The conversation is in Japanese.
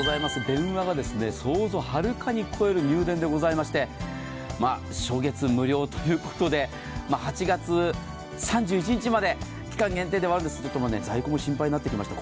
電話が想像をはるかに超える入電でございまして初月無料ということで、８月３１日まで期間限定ではあるんですけれども、在庫が心配になってきました。